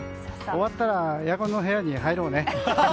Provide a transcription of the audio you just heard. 終わったらエアコンの部屋に入ろうね。